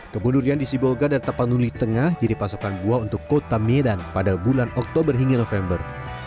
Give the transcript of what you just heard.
kebun durian di sibolga dan tapanuli tengah jadi pasokan buah untuk kota medan pada bulan oktober hingga november